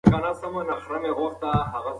ما غوښتل چې هغې ته رښتیا ووایم.